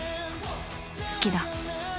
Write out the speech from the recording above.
好きだ